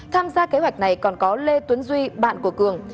tham gia kế hoạch này còn có lê tuấn duy bạn của cường